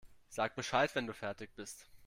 Sag Bescheid, wenn du fertig bist.